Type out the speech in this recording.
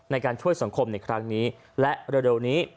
ในการช่วยสังคมในครั้งนี้และเร็วนี้